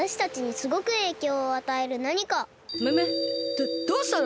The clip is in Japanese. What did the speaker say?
どどうしたの？